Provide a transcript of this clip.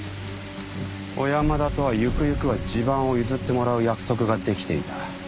小山田とはゆくゆくは地盤を譲ってもらう約束ができていた。